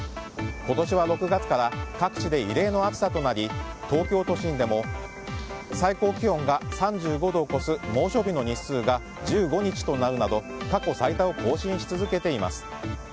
今年は６月から各地で異例の暑さとなり東京都心でも最高気温が３５度を超す猛暑日の日数が１５日となるなど過去最多を更新し続けています。